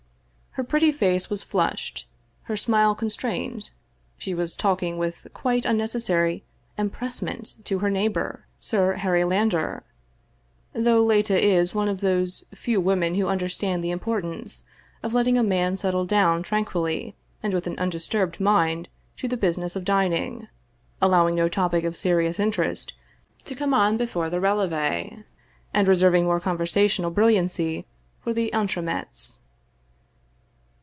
Her pretty face was flushed, her smile constrained, she was talking with quite unnecessary empressement to her neighbor, Sir Harry Landor, though Leta is one of those few women who understand the importance of letting a man settle down tranquilly and with an undisturbed mind to the business of dining, allowing no topic of serious interest to come on before the releves, and reserving mere conversational bril liancy for the entremets.